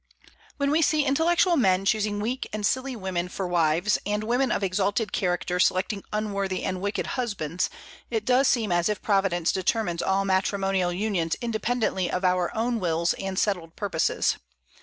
When we see intellectual men choosing weak and silly women for wives, and women of exalted character selecting unworthy and wicked husbands, it does seem as if Providence determines all matrimonial unions independently of our own wills and settled purposes.